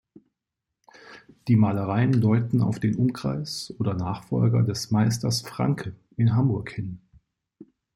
Die Malereien deuten auf den Umkreis oder Nachfolger des Meisters Francke in Hamburg hin.